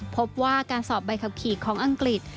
พบว่าการสอบใบขับขี่ของอังกฤษ